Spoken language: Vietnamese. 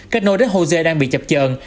kết nối với hosea đang bị chập trờn